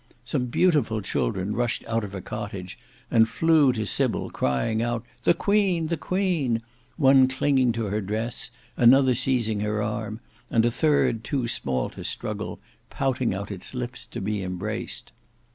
Some beautiful children rushed out of a cottage and flew to Sybil, crying out, "the queen, the queen;" one clinging to her dress, another seizing her arm, and a third, too small to struggle, pouting out its lips to be embraced.